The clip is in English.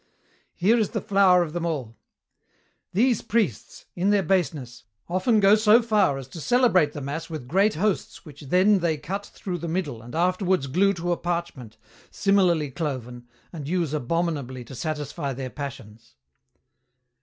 "Here is the flower of them all: "'These priests, in their baseness, often go so far as to celebrate the mass with great hosts which then they cut through the middle and afterwards glue to a parchment, similarly cloven, and use abominably to satisfy their passions.'"